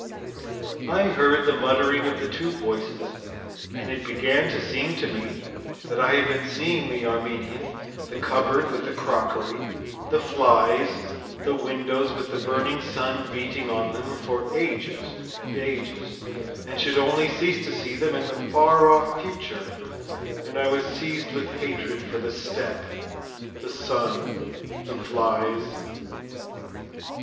I heard the muttering of the two voices, and it began to seem to me that I had been seeing the Armenian, the cupboard with the crockery, the flies, the windows with the burning sun beating on them, for ages and ages, and should only cease to see them in the far off future, and I was seized with hatred for the steppe, the sun, the flies....